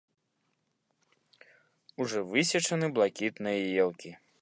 Ужо высечаны блакітныя елкі.